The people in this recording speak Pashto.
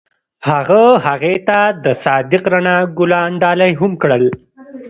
هغه هغې ته د صادق رڼا ګلان ډالۍ هم کړل.